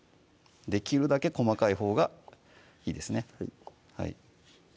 できるだけ細かいほうがいいですね